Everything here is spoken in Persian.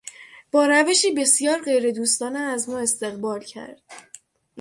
با روشی بسیار غیردوستانه از ما استقبال کرد.